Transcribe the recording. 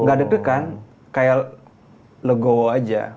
gak deg degan kayak legowo aja